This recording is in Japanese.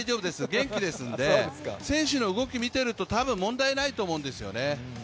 元気ですので、選手の動き見ていると多分、問題ないと思うんですよね